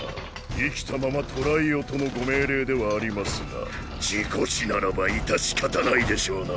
生きたまま捕らえよとのご命令ではありますが事故死ならば致し方ないでしょうな。